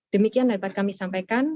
demikian dapat kami sampaikan